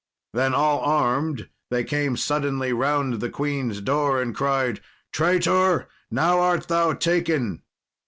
Then, all armed, they came suddenly round the queen's door, and cried, "Traitor! now art thou taken."